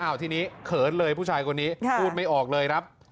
อ้าวทีนี้เขินเลยพูดไม่ออกเลยครับ